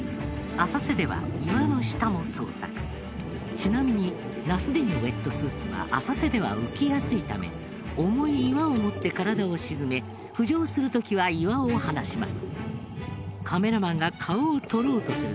ちなみにナスＤのウェットスーツは浅瀬では浮きやすいため重い岩を持って体を沈め浮上する時は岩を離します。